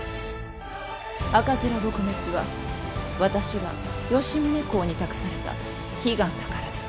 赤面撲滅は私が吉宗公に託された悲願だからです。